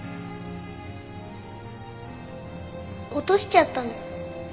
落としちゃったの。